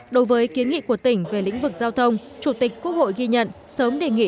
đối với kiến nghị của tỉnh về lĩnh vực giao thông chủ tịch quốc hội ghi nhận sớm đề nghị